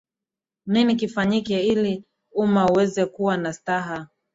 nini kifanyike ili umma uweze kuwa na staha